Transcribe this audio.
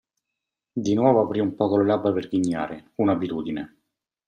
Di nuovo aprì un poco le labbra per ghignare – un'abitudine!